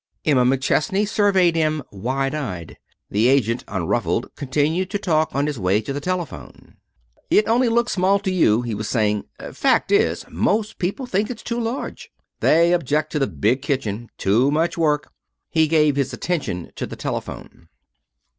Emma McChesney surveyed him wide eyed. The agent, unruffled, continued to talk on his way to the telephone. "It only looks small to you," he was saying. "Fact is, most people think it's too large. They object to a big kitchen. Too much work." He gave his attention to the telephone.